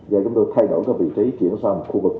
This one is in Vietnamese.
rồi chúng tôi thay đổi vị trí chuyển sang khu vực